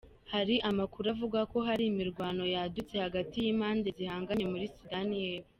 Hari amakuru avuga ko hari imirwano yadutse hagati y'impande zihanganye muri Sudani yepfo.